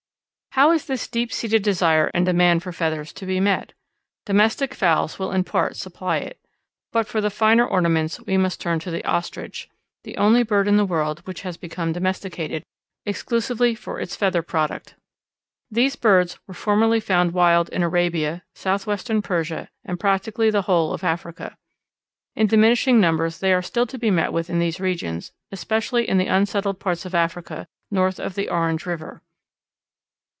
_ How is this deep seated desire and demand for feathers to be met? Domestic fowls will in part supply it; but for the finer ornaments we must turn to the Ostrich, the only bird in the world which has been domesticated exclusively for its feather product. These birds were formerly found wild in Arabia, southwestern Persia, and practically the whole of Africa. In diminishing numbers they are still to be met with in these regions, especially in the unsettled parts of Africa north of the Orange River.